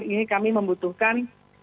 ini kami membutuhkan